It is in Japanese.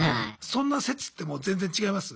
そんな説ってもう全然違います？